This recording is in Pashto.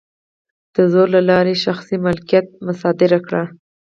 د زور له لارې یې شخصي مالکیت مصادره کړ.